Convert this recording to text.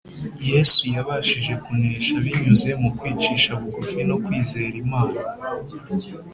Yesu yabashije kunesha binyuze mu kwicisha bugufi no kwizera Imana,